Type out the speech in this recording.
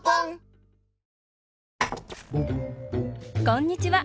こんにちは！